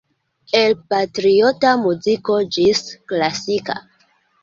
El patriota muziko ĝis klasika.